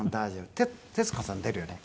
徹子さん出るよね？